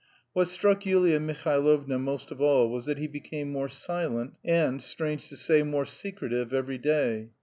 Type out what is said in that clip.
What struck Yulia Mihailovna most of all was that he became more silent and, strange to say, more secretive every day.